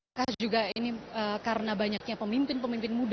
ini juga karena banyaknya pemimpin pemimpin muda